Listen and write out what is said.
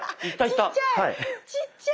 ちっちゃい！